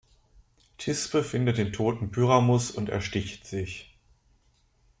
Thisbe findet den toten Pyramus und ersticht sich.